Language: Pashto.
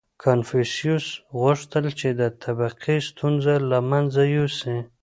• کنفوسیوس غوښتل، چې د طبقې ستونزه له منځه یوسي.